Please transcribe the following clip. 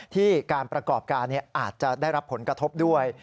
ที่การประกอบการอาจจะได้รับผลกระทบด้วย